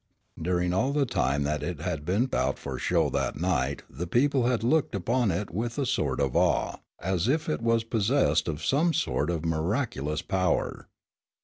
During all the time that it had been out for show that night the people had looked upon it with a sort of awe, as if it was possessed of some sort of miraculous power.